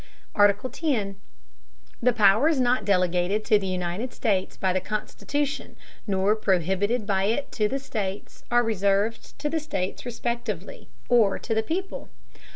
X. The powers not delegated to the United States by the Constitution, nor prohibited by it to the States, are reserved to the States respectively, or to the people.